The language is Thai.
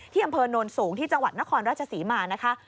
อำเภอโนนสูงที่จังหวัดนครราชศรีมานะคะ